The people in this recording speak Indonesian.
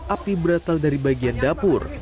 api berasal dari bagian dapur